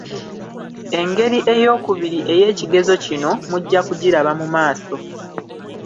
Engeri eyookubiri ey'ekigezo kino mujja kugiraba mu maaso.